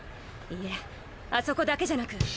いえあそこだけじゃなく。